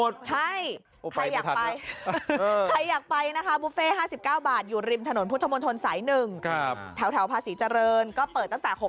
ได้เหลือ